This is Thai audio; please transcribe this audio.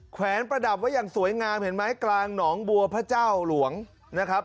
แนนประดับไว้อย่างสวยงามเห็นไหมกลางหนองบัวพระเจ้าหลวงนะครับ